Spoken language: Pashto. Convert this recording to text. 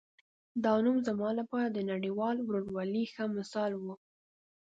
دا نو زما لپاره د نړیوال ورورولۍ ښه مثال و.